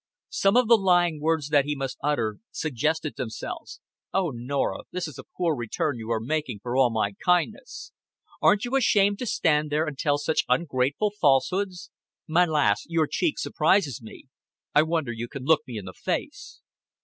Some of the lying words that he must utter suggested themselves. "Oh, Norah, this is a poor return you are making for all my kindness. Aren't you ashamed to stand there and tell such ungrateful false hoods. Ma lass, your cheek surprises me. I wonder you can look me in the face."